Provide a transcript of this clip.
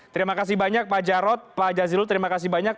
terima kasih pak rod pak jazilul terima kasih banyak